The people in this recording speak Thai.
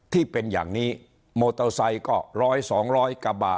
ที่เป็นอย่างนี้มอเตอร์ไซค์ก็ร้อยสองร้อยกระบะ